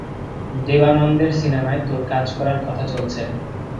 দেবানন্দের সিনেমায় তোর কাজ করার কথা চলছে।